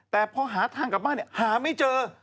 แต่พอหาทางกลับบ้านหาไม่เจอ